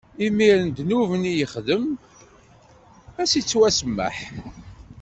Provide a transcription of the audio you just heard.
Imiren ddnub-nni yexdem ad s-ittwasemmeḥ.